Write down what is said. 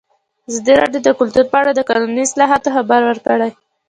ازادي راډیو د کلتور په اړه د قانوني اصلاحاتو خبر ورکړی.